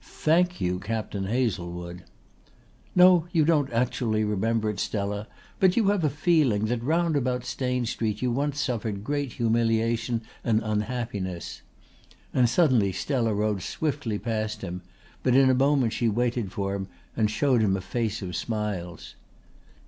Thank you, Captain Hazlewood!" "No, you don't actually remember it, Stella, but you have a feeling that round about Stane Street you once suffered great humiliation and unhappiness." And suddenly Stella rode swiftly past him, but in a moment she waited for him and showed him a face of smiles.